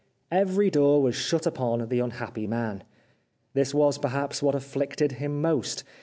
Every door was shut upon the un happy man. This was, perhaps, what afflicted him most.